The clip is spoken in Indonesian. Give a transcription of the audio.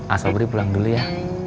a sobri pulang dulu ya